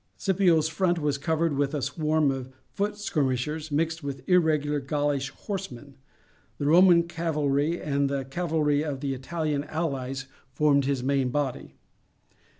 Scipio's front was covered with a swarm of foot skirmishers mixed with irregular Gaulish horsemen; the Roman cavalry and the cavalry of the Italian allies formed his main body.